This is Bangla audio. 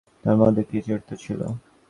তাহার মধ্যে কী চরিতার্থতা ছিল।